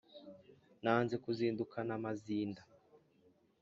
Nanze kuzindukana amazinda